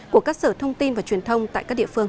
của các sở thông tin và truyền thông tại các địa phương